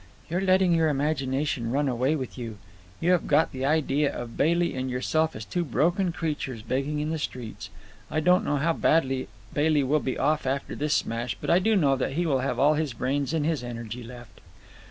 "You're letting your imagination run away with you. You have got the idea of Bailey and yourself as two broken creatures begging in the streets. I don't know how badly Bailey will be off after this smash, but I do know that he will have all his brains and his energy left."